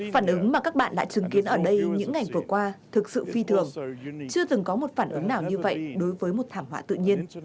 phản ứng mà các bạn đã chứng kiến ở đây những ngày vừa qua thực sự phi thường chưa từng có một phản ứng nào như vậy đối với một thảm họa tự nhiên